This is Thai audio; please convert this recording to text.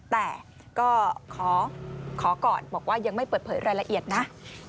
แต่ก็ขอก่อนบอกว่ายังไม่เปิดเผยรายละเอียดนะ